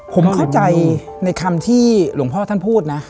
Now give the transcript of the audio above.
ผมเข้าใจในคำที่หลวงพ่อท่านพูดนะ